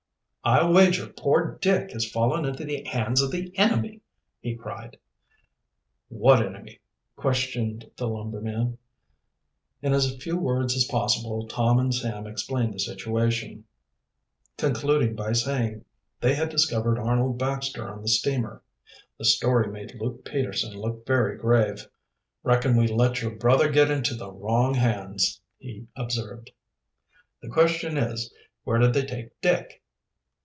"I'll wager poor Dick has fallen into the hands of the enemy," he cried. "What enemy?" questioned the lumberman. In as few words as possible Tom and Sam explained the situation, concluding by saying they had discovered Arnold Baxter on the steamer. The story made Luke Peterson look very grave. "Reckon we let your brother git into the wrong hands," he observed. "The question is, where did they take Dick?"